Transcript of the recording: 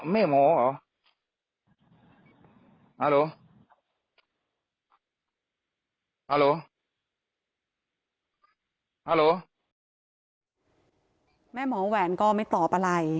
แม่หมอแหวนก็ไม่ตอบอะไร